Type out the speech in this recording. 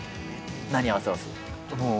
何合わせます？